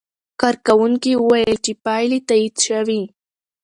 کارکوونکي وویل چې پایلې تایید شوې.